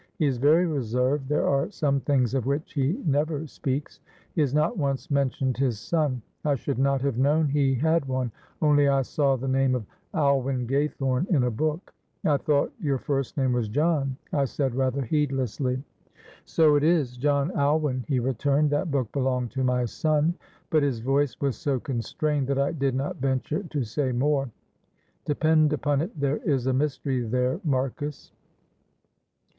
"He is very reserved, there are some things of which he never speaks. He has not once mentioned his son. I should not have known he had one, only I saw the name of Alwyn Gaythorne in a book. 'I thought your first name was John?' I said rather heedlessly. "'So it is, John Alwyn,' he returned; 'that book belonged to my son,' but his voice was so constrained that I did not venture to say more. Depend upon it there is a mystery there, Marcus."